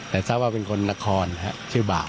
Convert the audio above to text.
แต่ทราบว่าเป็นคนนครชื่อบ่า